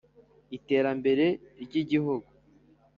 iterambere ry'igihugu.